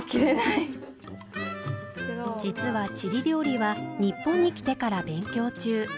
実はチリ料理は日本に来てから勉強中。